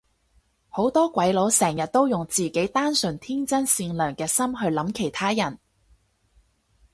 好多鬼佬成日都用自己單純天真善良嘅心去諗其他人